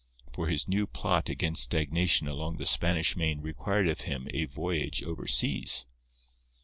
For his new plot against stagnation along the Spanish Main required of him a voyage overseas.